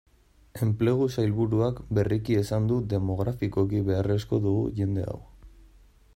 Enplegu sailburuak berriki esan du, demografikoki beharrezko dugu jende hau.